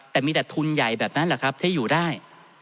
แต่มีแต่ทุนใหญ่แบบนั้นแหละครับที่อยู่ได้